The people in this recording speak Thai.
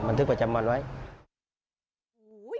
บันทึกประจำวันไว้